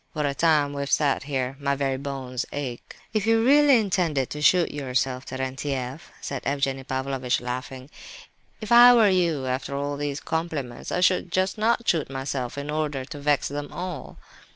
What a time we've sat here, my very bones ache!" "If you really intended to shoot yourself, Terentieff," said Evgenie Pavlovitch, laughing, "if I were you, after all these compliments, I should just not shoot myself in order to vex them all."